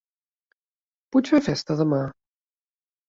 Puc fer festa demà?